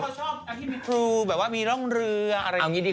เขาชอบการที่มีครูแบบว่ามีร่องเรืออะไรอย่างนี้ดี